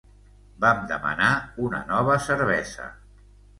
Vam demanar una nova cervesa.